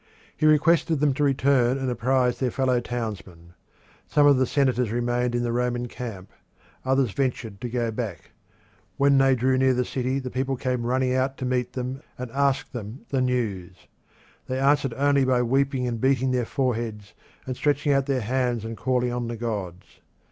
He requested them to return and apprise their fellow townsmen. Some of the senators remained in the Roman camp; others ventured to go back. When they drew near the city the people came running out to meet them, and asked them the news. They answered only by weeping and beating their foreheads, and stretching out their hands and calling on the gods.